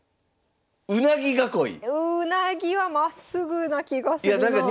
うなぎはまっすぐな気がするなあ。